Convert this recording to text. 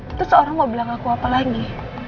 itu seorang mau bilang aku apa lagi